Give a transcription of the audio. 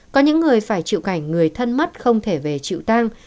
có những người phải chịu cảnh người thân mắt không thể về chịu tang